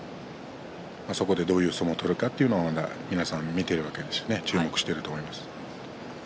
そこで、どういう相撲を取るかっていうのを皆さん見ているわけですから注目しているわけです。